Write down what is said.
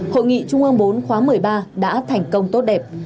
hội nghị trung ương bốn khóa một mươi ba đã thành công tốt đẹp